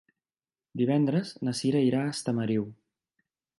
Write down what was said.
Divendres na Cira irà a Estamariu.